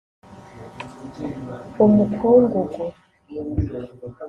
umukungugu